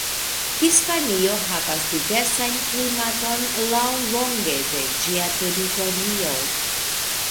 Hispanio havas diversan klimaton laŭlonge de ĝia teritorio.